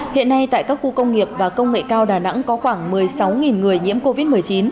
hiện nay tại các khu công nghiệp và công nghệ cao đà nẵng có khoảng một mươi sáu người nhiễm covid một mươi chín